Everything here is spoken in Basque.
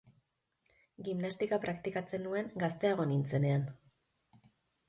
Gimnastika praktikatzen nuen gazteago nintzenean.